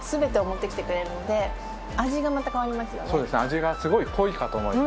味がすごい濃いかと思います。